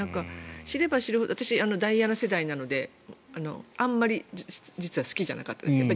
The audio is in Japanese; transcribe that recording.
知れば知るほど私、ダイアナ世代なのであまり実は好きじゃなかったんですけど。